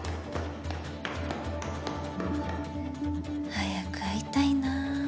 早く会いたいな。